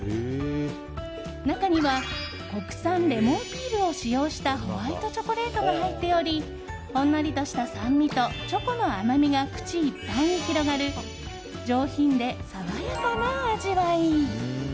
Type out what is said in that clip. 中には国産レモンピールを使用したホワイトチョコレートが入っておりほんのりとした酸味とチョコの甘みが口いっぱいに広がる上品で爽やかな味わい。